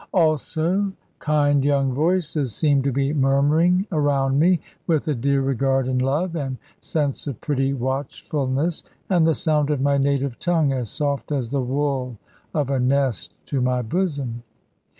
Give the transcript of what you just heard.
Also kind young voices seemed to be murmuring around me, with a dear regard and love, and sense of pretty watchfulness; and the sound of my native tongue as soft as the wool of a nest to my bosom.